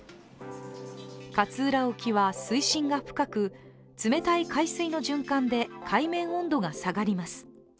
勝浦沖は水深が深く冷たい海水の循環で海面温度が下がります。